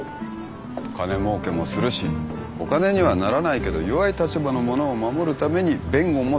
金もうけもするしお金にはならないけど弱い立場の者を守るために弁護もする？